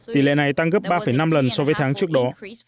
tỷ lệ này tăng gấp ba năm lần so với tháng trước đó